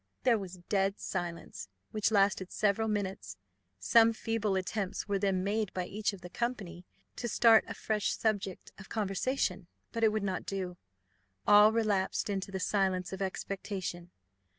There was a dead silence, which lasted several minutes: some feeble attempts were then made by each of the company to start a fresh subject of conversation; but it would not do all relapsed into the silence of expectation.